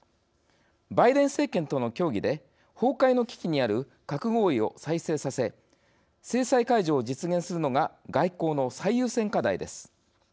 バイデン政権との協議で崩壊の危機にある「核合意」を再生させ制裁解除を実現するのが外交の最優先課題です。